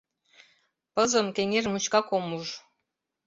Пызым кеҥеж мучкак ом уж.